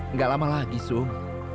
nggak lama lagi sum